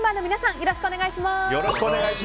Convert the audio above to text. よろしくお願いします。